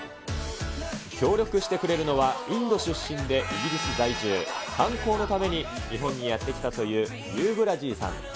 協力してくれるのは、インド出身でイギリス在住、観光のために日本にやって来たというユーブラジーさん。